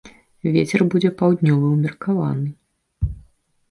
Вецер будзе паўднёвы ўмеркаваны.